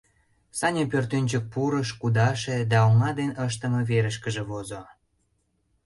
Саня пӧртӧнчык пурыш, кудаше да оҥа ден ыштыме верышкыже возо.